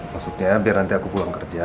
maksudnya biar nanti aku pulang kerja